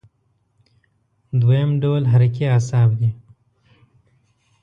دویم ډول حرکي اعصاب دي.